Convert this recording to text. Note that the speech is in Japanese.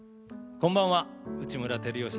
こんばんは内村光良です。